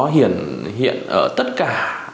hiện hiện ở tất cả